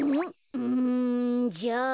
うんじゃあ。